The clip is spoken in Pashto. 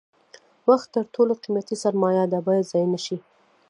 وخت تر ټولو قیمتي سرمایه ده باید ضایع نشي.